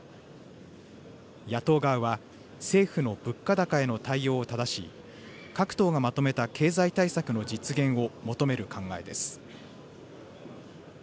野党側は、政府の物価高への対応をただし、各党がまとめた経済対策の実現を求める考えです。